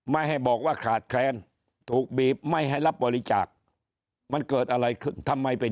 ไม่ให้บอกว่าขาดแคลนถูกบีบไม่ให้รับบริจาคมันเกิดอะไรขึ้นทำไมไป